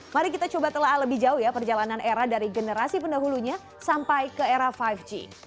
mari kita coba telah lebih jauh ya perjalanan era dari generasi pendahulunya sampai ke era lima g